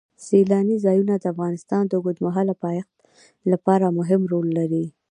سیلانی ځایونه د افغانستان د اوږدمهاله پایښت لپاره مهم رول لري.